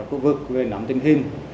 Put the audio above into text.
các khu vực về nắm tình hình